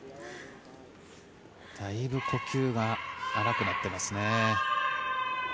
だいぶ呼吸が荒くなってますね。